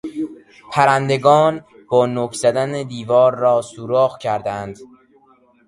پرندگان با نوک زدن دیوار را سوراخ کردهاند.